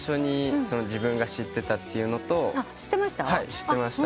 知ってました。